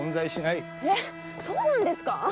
えっそうなんですかあ？